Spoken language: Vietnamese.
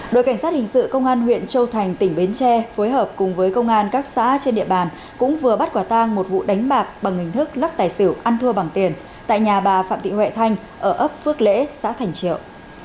đội cảnh sát hình sự công an huyện châu thành tỉnh bến tre phối hợp cùng với công an các xã trên địa bàn cũng vừa bắt quả tang một vụ đánh bạc bằng hình thức lắc tài xỉu ăn thua bằng tiền tại nhà bà phạm thị huệ thanh ở ấp phước lễ xã thành triệu